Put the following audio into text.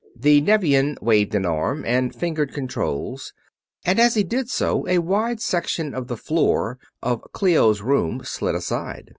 The Nevian waved an arm and fingered controls, and as he did so a wide section of the floor of Clio's room slid aside.